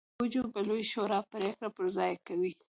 دوج به د لویې شورا پرېکړې پر ځای کوي.